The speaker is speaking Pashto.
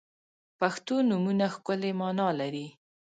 • پښتو نومونه ښکلی معنا لري.